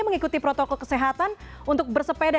mengikuti protokol kesehatan untuk bersepeda